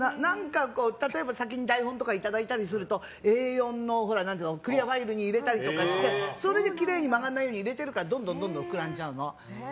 例えば、先に台本とかいただいたりするとＡ４のクリアファイルに入れたりしてきれいに曲がらないように入れているからどんどん膨らんじゃうの。